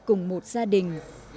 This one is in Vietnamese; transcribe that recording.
cùng một gia đình